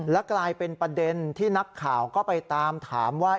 และกลายเป็นประเด็นที่นักข่าวก็ไปตามถามว่า